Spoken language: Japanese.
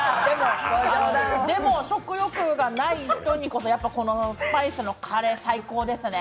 でも、食欲がない人にこそこのスパイスのカレー最高ですね。